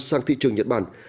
sang thị trường nhật bản